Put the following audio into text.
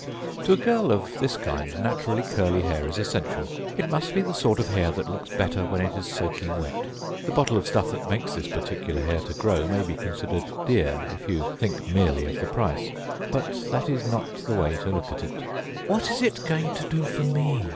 To a girl of this kind, naturally curly hair is essential. It must be the sort of hair that looks better when it is soaking wet. The bottle of stuff that makes this particular hair to grow may be considered dear, if you think merely of the price. But that is not the way to look at it. âWhat is it going to do for me?